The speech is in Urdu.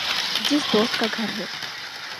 جس دوست کا گھر ہے